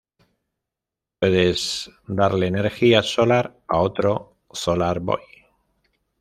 Puedes darle energía solar a otro Solar Boy.